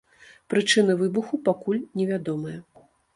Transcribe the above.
Прычыны выбуху пакуль невядомыя.